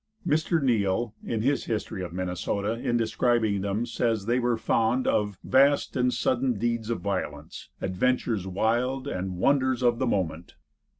Mr. Neill, in his history of Minnesota, in describing them, says they were fond of "Vast and sudden deeds of violence, Adventures wild and wonders of the moment."